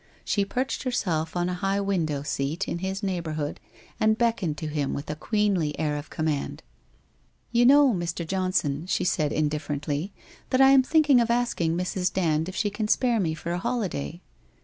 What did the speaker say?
She perched herself on a high window seat in his neighbourhood, and beckoned to him with a queenly air of command. ' You know, Mr. Johnson,' she said indifferently, ' that I am thinking of asking Mrs. Dand if she can spare me for a holiday?'